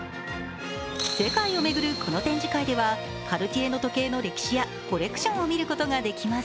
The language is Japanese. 世界を巡るこの展示会ではカルティエの時計の歴史やコレクションを見ることができます。